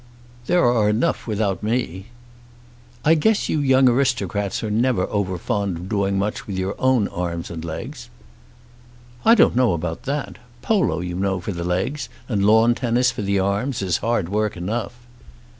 "There are enough without me." "I guess you young aristocrats are never over fond of doing much with your own arms and legs." "I don't know about that; polo, you know, for the legs, and lawn tennis for the arms, is hard work enough."